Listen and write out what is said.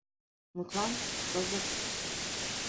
Мутлан, кызыт.